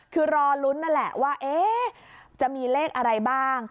คือรอลุ้นนั่นแหละว่าจะมีเลขอะไรบ้าง